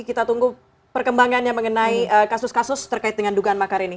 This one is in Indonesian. kita tunggu perkembangannya mengenai kasus kasus terkait dengan dugaan makar ini